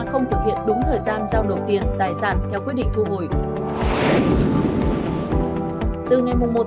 không thực hiện đúng thời gian giao nộp tiền tài sản theo quyết định thu hồi